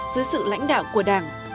giữa sự lãnh đạo của đảng